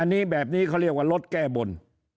อันนี้แบบนี้เขาเรียกว่ารถแก้บน